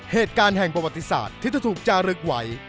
เหตุการณ์แห่งประวัติศาสตร์ที่จะถูกจารึกไว้